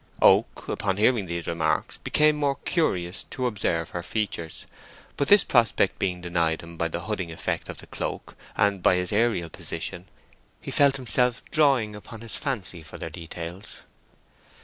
Oak, upon hearing these remarks, became more curious to observe her features, but this prospect being denied him by the hooding effect of the cloak, and by his aërial position, he felt himself drawing upon his fancy for their details.